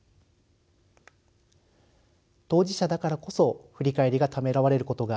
当事者だからこそ振り返りがためらわれることがあり